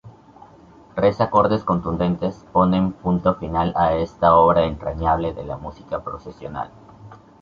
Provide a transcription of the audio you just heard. Tres acordes contundentes ponen punto final a esta obra entrañable de la música procesional.